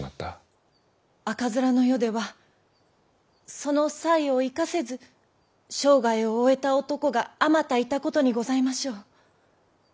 赤面の世ではその才を生かせず生涯を終えた男があまたいたことにございましょう。